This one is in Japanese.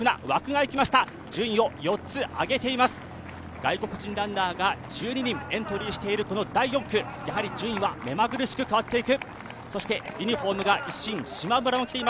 外国人ランナーが１２人エントリーしている第４区、やはり順位は目まぐるしく変わっていく。